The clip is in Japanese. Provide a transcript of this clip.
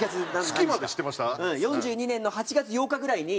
１９４２年の８月８日ぐらいに。